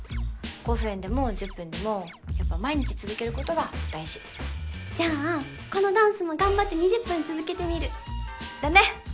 ５分でも１０分でもやっぱ毎日続けることが大事じゃあこのダンスも頑張って２０分続けてみるだね！